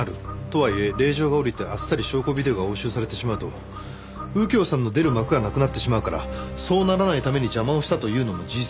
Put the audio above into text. とはいえ令状が下りてあっさり証拠ビデオが押収されてしまうと右京さんの出る幕がなくなってしまうからそうならないために邪魔をしたというのも事実です。